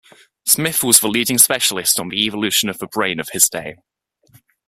Smith was the leading specialist on the evolution of the brain of his day.